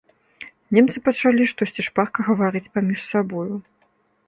Немцы пачалі штосьці шпарка гаварыць паміж сабою.